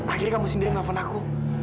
akhirnya kamu sendiri nelfon aku